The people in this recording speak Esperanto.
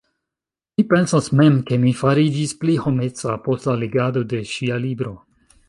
Mi pensas mem, ke mi fariĝis pli homeca post la legado de ŝia libro.